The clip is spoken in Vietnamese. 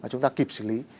chúng ta kịp xử lý